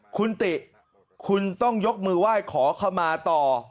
คุณติคุณต้องยกมือไหว้ขอขมาต่อ